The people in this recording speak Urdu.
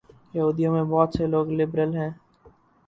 یہودیوں میں بہت سے لوگ لبرل ہیں۔